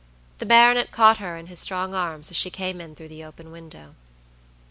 The baronet caught her in his strong arms as she came in through the open window.